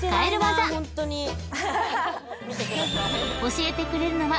［教えてくれるのは］